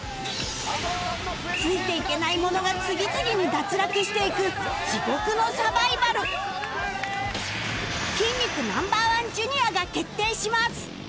ついていけない者が次々に脱落していく筋肉 Ｎｏ．１Ｊｒ． が決定します